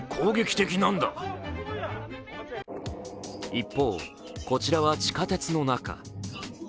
一方、こちらは地下鉄の中。